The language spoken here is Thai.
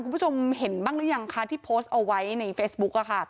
คุณผู้ชมเห็นบ้างหรือยังคะที่โพสต์เอาไว้ในเฟซบุ๊ก